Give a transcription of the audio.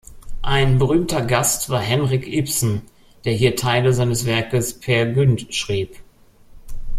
Ein berühmter Gast war Henrik Ibsen, der hier Teile seines Werkes Peer Gynt schrieb.